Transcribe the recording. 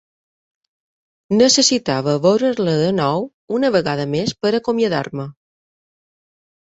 Necessitava veure-la de nou una vegada més per acomiadar-me.